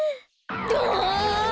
どわ！